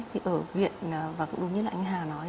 thì ở huyện và cũng đúng như là anh hà nói